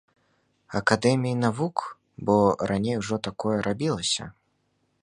Акадэміі навук, бо раней ужо такое рабілася.